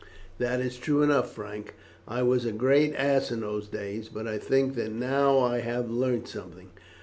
"That is true enough, Frank. I was a great ass in those days, but I think that now I have learnt something."